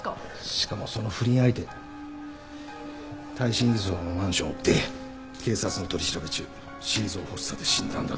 しかもその不倫相手耐震偽装のマンション売って警察の取り調べ中心臓発作で死んだんだと。